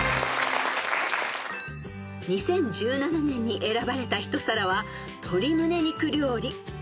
［２０１７年に選ばれた一皿は鶏むね肉料理］